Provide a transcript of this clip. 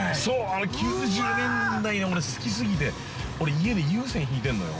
あの９０年代が、俺、好きすぎて俺、家で有線、引いてんのよ。